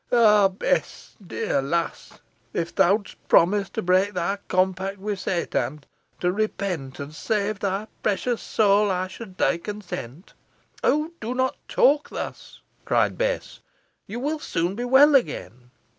Ah, Bess, dear lass, if theawdst promise to break thy compact wi' Satan to repent and save thy precious sowl ey should dee content." "Oh, do not talk thus!" cried Bess. "You will soon be well again."